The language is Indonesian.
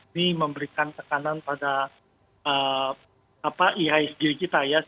ini memberikan tekanan pada ihsg kita ya